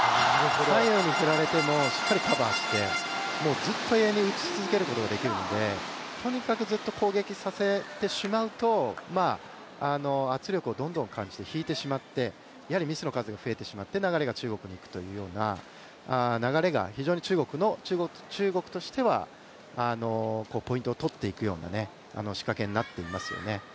左右に振られてもずっとカバーして永遠に打つことができるんでとにかくずっと攻撃させてしまうと、圧力をどんどんかけられて、引いてしまって、やはりミスの数が増えてしまって流れが中国に行くというような、非常に中国としてはポイントを取っていくような仕掛けになっていますよね。